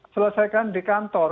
selesaikan di kantor